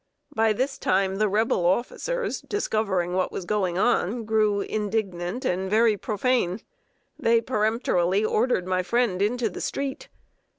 By this time, the Rebel officers, discovering what was going on, grew indignant and very profane. They peremptorily ordered my friend into the street.